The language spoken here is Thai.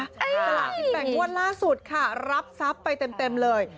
แต่วันล่าสุดค่ะรับทรัพย์ไปเต็มเลย